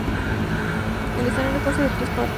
El escenario consta de tres partes.